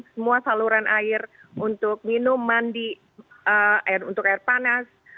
semua saluran air untuk minum mandi untuk air panas